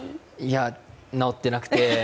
直ってなくて。